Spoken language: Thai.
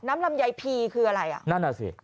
ลำไยพีคืออะไรอ่ะนั่นอ่ะสิ